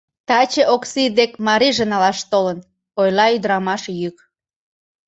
— Таче Окси дек марийже налаш толын, — ойла ӱдырамаш йӱк.